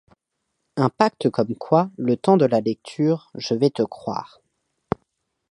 Un pacte comme quoi, le temps de la lecture, je vais te croire.